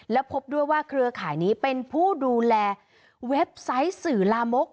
และพบด้วยว่าเครือข่ายนี้เป็นผู้ดูแลเว็บไซต์สื่อลามก